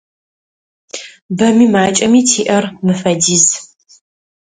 Бэми макӏэми тиӏэр мыщ фэдиз.